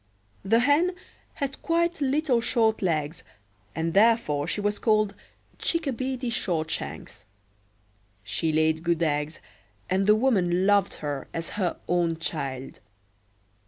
The Hen had quite little short legs, and therefore she was called Chickabiddy Shortshanks; she laid good eggs, and the woman loved her as her own child.